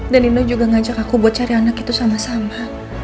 dan dino juga ngajak aku buat cari anak itu sama sama